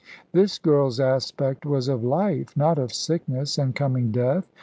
This girl's aspect was of life, not of sickness and coming death.